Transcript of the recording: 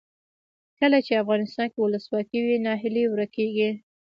کله چې افغانستان کې ولسواکي وي ناهیلي ورکیږي.